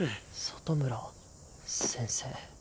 外村先生。